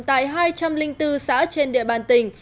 tại hai trăm linh bốn xã trên địa bàn tỉnh